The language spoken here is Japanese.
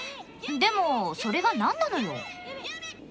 でも、それがなんなのよ？